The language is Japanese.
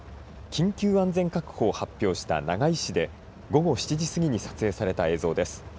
緊急安全確保を発表した長井市で午後７時過ぎに撮影された映像です。